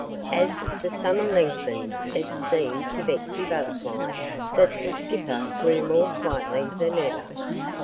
As the summer lengthened it seemed to Betsy Butterfly that the Skipper grew more flighty than ever.